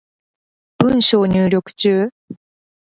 文章入力中